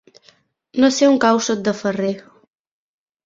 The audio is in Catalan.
No sé on cau Sot de Ferrer.